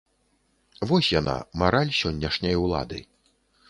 Вось яна, мараль сённяшняй улады!